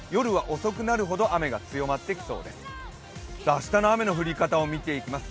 明日の雨の降り方を見ていきます。